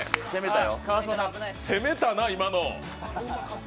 攻めたな、今の。